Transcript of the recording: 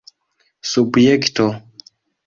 subjekto